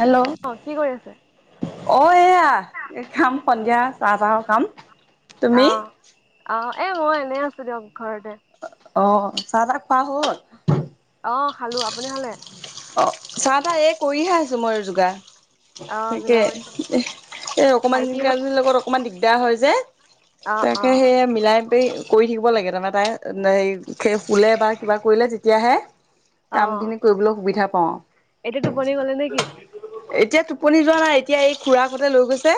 Hello অ কি কৰি আছে? অ এয়া কাম সন্ধিয়া চাহ-তাহৰ কাম। অ তুমি? অ এ মই এনেই আছো দিয়ক ঘৰতে। অ চাহ-তাহ খোৱা হৈ গ'ল? অ খালো। আপুনি খালে? অ চাহ-তাহ এই কৰিহে আছো মই যোগাৰ। অ তাকে যোগাৰ কৰিছে নেকি? সেই অকমানি ভাইটিহঁত কেইজনীৰ লগত অকমান দিগদাৰ হয় যে। অ অ তাকে সেয়াই মিলাই তেই কৰি থাকিব লাগে, তাৰমানে তাই শুলে বা কিবা কৰিলে তেতিয়াহে কাম খিনি কৰিবলৈ সুবিধা পাওঁ। এইতো টোপনি গ'লে নেকি? এতিয়া টোপনি যোৱা নাই, এতিয়া এই খুৰাকহিতে লৈ গৈছে,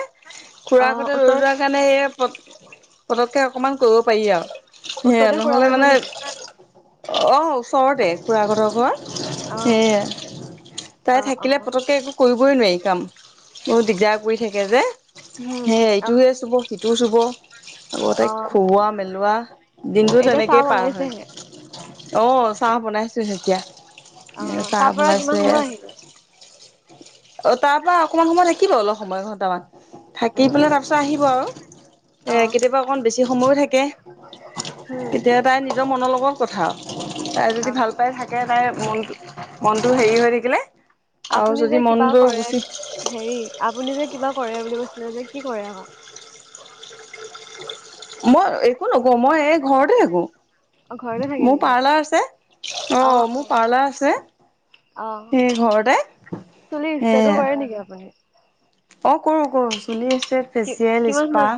অ খুৰাকহতে লৈ ওচৰ যোৱা সেইকাৰণে এই পত-পতকে অকণমান কৰিব পাৰি আৰু। সেয়া ওচৰতে নহ'লে খুৰাকৰ ঘৰ মানে নেকি অ ওচৰতে খুৰাকহতৰ ঘৰ। অ সেয়া, তাই অ অ থাকিলে পতকে একো কৰিবই নোৱাৰি কাম। বৰ দিগদাৰ কৰি থাকে যে, উম সেই অ ইটো চুব সিটোও চুব। আকৌ অ তাইক খুওৱা মেলোৱা, দিনটো এতিয়া চাহ তেনেকেই পাৰ হয়। বনাইছেহে অ চাহ বনাইছো হে এতিয়া। অ এ চাহ তাৰ পৰা বনাইছো কিমান এয়া। সময় আহিলে অ তাৰপৰা অকণমান সময় থাকিব অলপ সময় এঘণ্টামান। থাকি উম পেলাই তাৰ উম পিছত আহিব আৰু, অ এ কেতিয়াবা অকণ বেছি সময়ো থাকে। উম তেতিয়া তাই নিজৰ মনৰ লগত কথা আৰু, তাই অ যদি ভাল পাই থা কে তাইৰ মনটো মনটো হেৰি হৈ থাকিলে আৰু আপুনি যদি যে মন কিবা গৈ কৰে, গুচি হেৰি আপুনি যে কিবা কৰে বুলি কৈছিলে যে কি কৰে আক? মই একো নকৰো, মই এই ঘৰতে থাকো। অ ঘৰতে থাকে মোৰ নেকি পাৰ্লাৰ আছে, অ মোৰ পাৰ্লাৰ আছে, অ অ সেই ঘৰতে, চুলি ষ্টেটো হেয়া কৰে নেকি আপুনি? অ কৰোঁ কৰোঁ, চুলি ষ্ট্ৰেইট, কি ফেচিয়েল, কিমান স্পা মান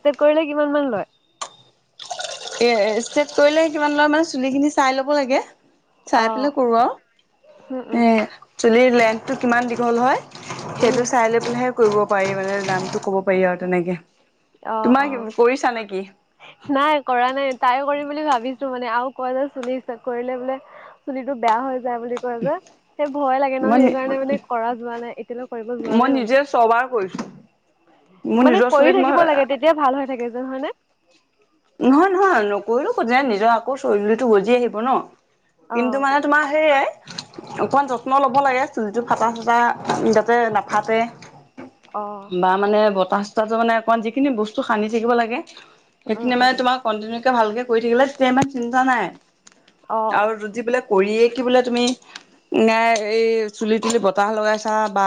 ষ্টেট কৰিলে কিমান মান লয়? এ ষ্টেট কৰিলে কিমান লয় মানে চুলি খিনি চাই ল'ব লাগে। চাই পেলাই অ', কৰো আৰু, উম, উম, এ চুলিৰ লেন্থটো কিমান দীঘল হয়। উম, সেইটো চাই লৈ পেলহে কৰিব পাৰি মানে দামতটো কব পাৰি আৰু তেনেকে। অ তোমাৰ অ। কৰিছা নেকি নাই কৰা নাই ট্ৰাই কৰিম বুলি ভাবিছো মানে, আৰু কয় যে চলিছে কৰিলে বোলে চুলি টো বেয়া হৈ যায় বুলি কয় যে। সেই ভয় লাগে ন মই সেইকাৰণে মানে কৰা যোৱা নাই, এতিয়ালৈ কৰিব যোৱা নাই। মই মানে। নিজে ছবাৰ কৰিছো। মোৰ মানে নিজৰ কৰি চুলিত থাকিব মই লাগে তেতিয়া ভাল হৈ থাকে যে হয় নে? নহয় নহয় নকৰিলো [unintelligible] নিজৰ আকৌ চুলিটো গজি আহিব ন, কিন্তু অ', মানে তোমাৰ সেয়াই অকমান যত্ন ল'ব লাগে, চুলিটো ফটা-চটা যাতে নাফাটে। অ', বা মানে বতাহ-চতাহটো মানে অকমান যিখিনি বস্তু সানি থাকিব লাগে উম, সেইখিনি উম, মানে তোমাক কণ্টিনিউকে ভালকৈ কৰি থাকিলে তেতিয়া ইমান চিন্তা নাই, অ', আৰু যদি বোলে কৰিয়ে কি বোলে তুমি, এ এই চুলি তুলি বতাহ লগাইছা বা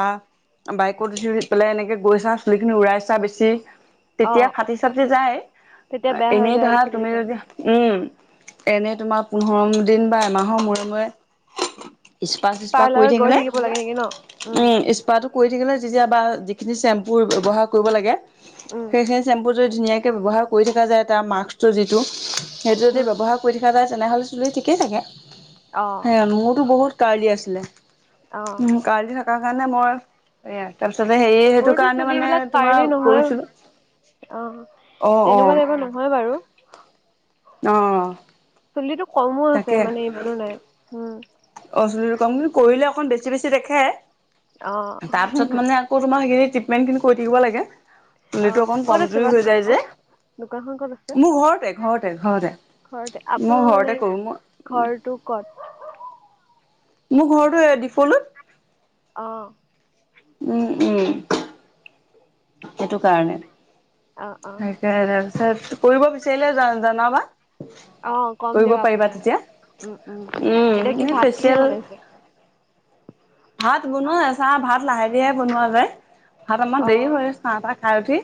বাইকত উঠি পেলাই এনেকৈ গৈছা চুলিখিনি উৰাইছা বেছি অ'। তেতিয়া ফাটি চাটি যায়। তেতিয়া বেয়া হৈ এনেই যায় আৰু ধৰা তুমি চুলিকেইটা। যদি উম, এনে তোমাৰ পোন্ধৰ দিন বা এমাহৰ মূৰে মূৰে স্পা চিস্পা কৰি পাৰ্লাৰত গৈ থাকিলে, থাকিব লাগে নেকি ন? উম স্পাটো কৰি থাকিলে যেতিয়া বা যিখিনি চেম্পুৰ ব্যৱহাৰ কৰিব লাগে উম সেইখিনি চেম্পু যদি ধুনীয়াকৈ ব্যৱহাৰ কৰি থকা যায় তাৰ মাস্কটো যিটো সেইটো যদি উম ব্যৱহাৰ কৰি থকা যায় তেনেহ'লে চুলি ঠিকেই থাকে, অ সেইয়া মোৰতো বহুত কাৰ্লি আছিলে, অ উম কাৰ্লি থকাৰ কাৰণে মই এয়া তাৰপিছতে হেৰি, সেইটো মোৰতো কাৰণে মানে চুলিবিলাক কাৰ্লি তোমাৰ নহয় কৰিছিলো অ', অ অ তেনেকুৱা টাইপৰ নহয় বাৰু। অ'। চুলিটো কম হৈ আছে তাকে মানে ইমানো নাই, উম। অ', চুলি টো কম, কিন্তু কৰিলে অকণ বেছি বেছি দেখে, অ তাৰপিছত মানে [unintelligible] সেইখিনি ট্ৰিটমেন্ট খিনি কৰি থাকিব লাগে, অ চুলিটো অকন ক'ত আছে কমজুৰি বাৰু হৈ যায় দোকানখন যে। দোকানখন ক'ত আছে? মোৰ ঘৰতে-ঘৰতে-ঘৰতে, ঘৰতে আপোনাৰ মই মানে ঘৰতে কৰো মই ঘৰটো ক'ত? মোৰ ঘৰতো এই ডিফলোত অ'। উম, উম। সেইটো কাৰণে, অ অ সেই তাৰপিছত কৰিব বিচাৰিলে জনাবা। অ কম কৰিব দিয়ক পাৰিবা আপোনাৰ তেতিয়া, এতিয়া উম, কি এ ভাত কিহে ফেচিয়েল বনাইছে ভাত বনোৱা আছে আমাৰ ভাত লাহে-ধিৰে বনোৱা যায়, ভাত আমাৰ অ দেৰি হৈ চাহ-তাহ খাই উঠি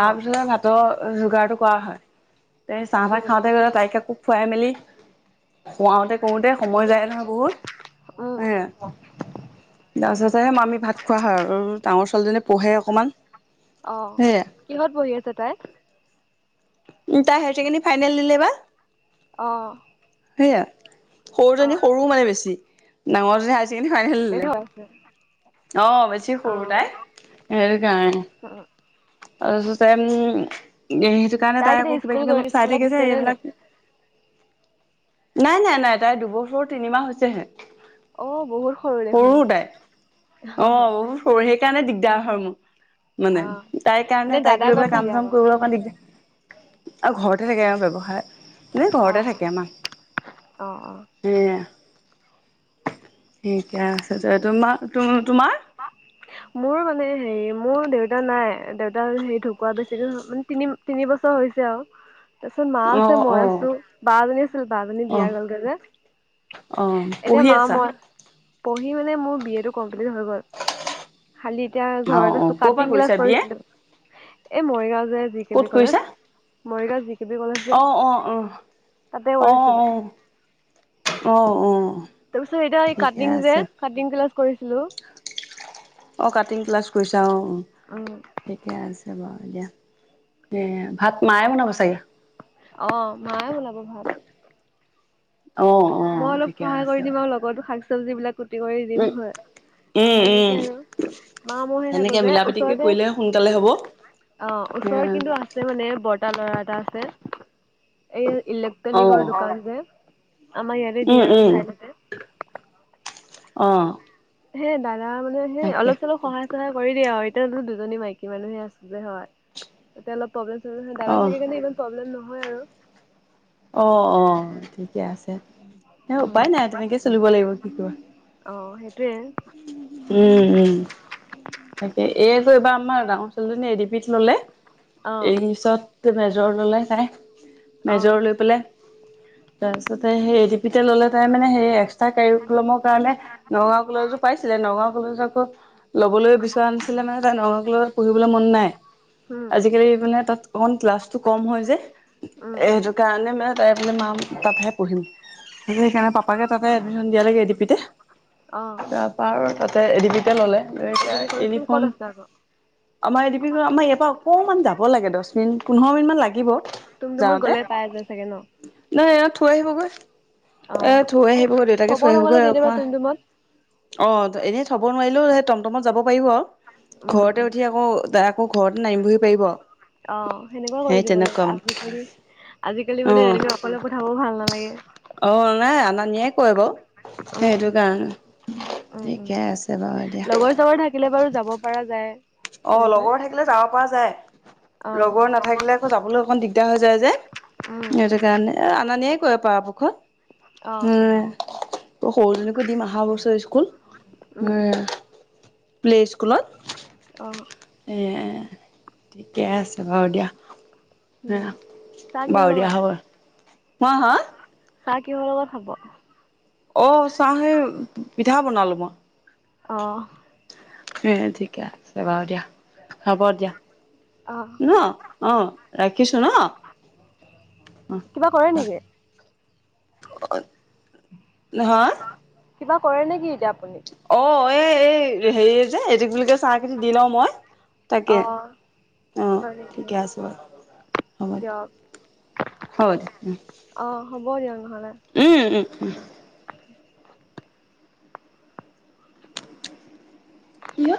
অ পিছত ভাত ভাতৰ‌ যোগাৰটো কৰা হয়, তে চাহ-তাহ উম খাওঁতে উম [unintelligible] তাইক‌ আকৌ খুৱাই মেলি খুৱাওঁ‌‍‌‍তে কৰোঁতে সময় যায় নহয় বহুত উম সেয়া তাৰপিছত‌হে আমি ভাত খোৱা হয়, আৰু ডাঙৰ ছোৱালীজনী পঢ়ে অকণমান। অ', সেয়া কিহত পঢ়ি আছে তাই? তাই হায়াৰ ছেকেণ্ডেৰি ফাইনেল দিলে এইবাৰ। অ'। সেইয়া, অ', সৰুজনী সৰু মানে বেছি, ডাঙৰজনী হায়াৰ ছেকেণ্ডাৰী ফাইনেল বেছি দিলে। হৈ আছে অ', বেছি সৰু অ', তাই, সেইটো কাৰণে উম, [unintelligible] সেইকাৰণে তাই আকৌ এতিয়া স্কুল কিবা-কিবি গৈ অলপ চাই স্কুলত থাকে দিছে যে নে নাই? এইবিলাক নাই-নাই-নাই, তাইৰ দুবছৰ তিনিমাহ হৈছেহে। অ', বহুত দেখোন সৰু তাই অ' সেই কাৰণে দিগদাৰ হয় মোৰ মানে, অ', তাইৰ এনে কাৰণে তাইক দাদা লৈ ক'ত পেলাই থাকে কাম-চাম আকৌ? কৰিব অকণমান দিগদাৰ অ', ঘৰতে থাকে আৰু ব্যৱসায় এনে ঘৰতে অ', থাকে অ', অ', আমাৰ এইয়া ঠিকে আছে দিয়া, তোমাৰ-তোমাৰ [inaudible] মোৰ মানে হেৰি মোৰ দেউতা নাই, দেউতা হেৰি ঢোঁকুৱা বেছিকৈ মানে তিনি-তিনি বছৰ হৈছে আৰু তাৰপিছত মা অ আছে, মই অ আছোঁ, বা এজনী আছিল বা জনী বিয়া হ'লগৈ যে অ‌', এতিয়া পঢ়ি মা আছা? মই পঢ়ি মানে মোৰ, বি এ টো কমপ্লিট হৈ গ'ল। [inaudible] খালি এতিয়া অ ঘৰত অ আছো, ক'ৰ পৰা কাটিং ক্লাছ কৰিছা বি এ কৰিছিলোঁ। এই মৰিগাঁও যে- জি কে ক'ত বি কৰিছা college, Morigaon G K B college যে অ অ অ তা'তে কৰিছিলো। অঁ', -অঁ',। তাৰপিছত এতিয়া এই কাটিং যে কাটিং ক্লাছ কৰিছিলোঁ। অঁ', -কাটিং ক্লাছ কৰিছা, অঁ', -অঁ',। উমঁ। ঠিকে আছে বাৰু দিয়া। এতিয়া ভাত মায়ে বনাব চাগে? অঁ', -মায়ে বনাব ভাত। অঁ। মই অলপ সহায় কৰি দিম আৰু লগতো শাক-চব্জী বিলাক কুটি কৰি দিম উম হয়। উম উম তেনেকে আৰু, মা মই থাকো তেনেকে যে মিলা প্ৰীতিকে ওচৰতে- কৰিলে সোনকালে হ'ব অঁ', ওচৰৰত কিন্তু আ- ছে মানে বৰ্তা ল'ৰা এটা আছে, এই অ ইলেক্ট্ৰনিকৰ দোকান যে- আমাৰ ইয়াতে দিয়ে আৰু চাইডতে। অঁ। সেই দাদা মানে সেই অলপ-চলপ সহায়- কৰি দিয়া আৰু, এতিয়া দুজনী মাইকী মানুহে আছে যে হয়। এতিয়া অলপ প্ৰব্লেম-চব্লেম হয়, দাদা অ', থাকে কাৰণ ইমান প্ৰব্লেম নহয় আৰু। অঁহ', -অঁহ', -ঠিকে আছে। উপায় নাই, তেনেকে চলিব লাগিব কি কৰিবা। অঁ সেইটোৱে উমঁ-উমঁ। তাকে এই যে এইবাৰ আমাৰ ডাঙৰ ছোৱালীজনী এ ডি পি'ত ল'লে, অঁ ইংলিছৰ- তোৰ মেজৰ ল'লে তাই, অঁ মেজৰ লৈ পেলাই- তাৰপিছতে সেই এ ডি পি তে ল'লে তাই মানে সেইয়া- কাৰিকৰ্মৰ কাৰণে নগাঁও কলেজতো পাইছিলে, নগাঁও কলেজৰ পৰা ল'বলৈ- পাইছিলে মানে তাইৰ নগাঁও কলেজত পঢ়িবলৈ মন নাই। উম আজিকালি মানে তা'ত অকন ক্লাছটো কম হয় যে, উম এ উম সেইটো কাৰণে মানে- তাই বোলে মাঁ তা'তহে পঢ়িম, উম সেইকাৰণে পাপাকে তা'তে এডমিশ্যন দিয়ালৈকে এ ডি পিতে- অঁ। তাৰপা আৰু তা'তে এ ডি পি'তে ল'লে। কলেজ খন ক'ত ইউনিফৰ্ম আছে আকৌ? আমাৰ এ ডি পিৰ পৰা আমাৰ ইয়াৰ পৰা অকণমান যাব লাগে, দ'হ মিনিট, পোন্ধৰ মিনিট মান লাগিব- তুমডুমত যাওঁতে। গ'লে পাই যায় চাগে ন নহয় এইয়াক থৈ আহিবগৈ। অঁ এ' থৈ আহিবগৈ দেউতাকে থ'ব থৈ নগ'লে আহিবগৈ কেতিয়াবা তাৰপা। তুমডুমত অঁ', এনেই থব নোৱাৰিলেও সেই টমটমতে যাব পাৰিব আৰু, উম ঘৰতে উম উঠি আকৌ- আকৌ ঘৰত নামিবহি পাৰিব আও। অঁ', সেনেকুৱা কৰি দিব লাগে আজিকালি, আজিকালি মানে অ এনেকে অকলে কথা কবও ভাল নালাগে। অ', -নাই, আনা-নিয়ে ৰে বাৰু সেইটো উম কাৰণে। ঠিকে আছে বাৰু দিয়া। তই থাকিলে বাৰু যাব পৰা যায়। অঁ', এনেকৈ -লগৰ থাকিলে যাব পৰা যায়, অ লগৰ নাথাকিলে আকৌ যাবলৈ অকণ দিগদাৰ হৈ যায় যে। উম। সেইকাৰণে, আনা-নিয়াই কৰে বাৰু বহুত। অ উমঁ। সৰুজনীকো দিম অহা বছৰ স্কুল, উম উম প্লে স্কুলত। অ, এই, ঠিকে আছে বাৰু দিয়া। উম উহ, চাহ কিহৰ বাৰু দিয়া লগত হ'ব, হা, হা। চাহ কিহৰ লগত খাব? অ, চাহ সেই পিঠা বনালো মই। অ, এ, ঠিকে আছে বাৰু দিয়া, হ'ব দিয়া অ ন। অ, ৰাখিছো ন। কিবা কৰে নেকি? অ- [unintelligible] হা কিবা কৰে নেকি এতিয়া আ [inaudible] অ, এই, এই, হেৰি যে এটো কি বুলি কয় চাহ খিনি দিলও মই তাকে। অ অ, হয় নেকি ঠিকে আছে বাৰু হ'ব দে, দিয়ক হ'ব দিয়ক উম, অ, হ'ব দিয়ক নহ'লে। উম, উম, উম, [inaudible] কি অ,